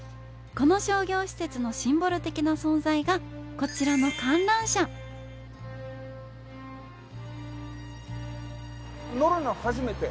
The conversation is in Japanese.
この商業施設のシンボル的な存在がこちらの観覧車初めて！